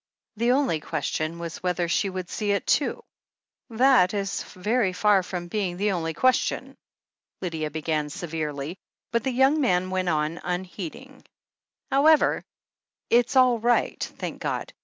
The only question was whether she'd see it too." "That is very far from being the only question " Lydia began severely, but the young man went on unheeding : "However, it's all right, thank God.